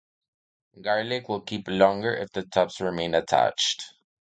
Garlic will keep longer if the tops remain attached.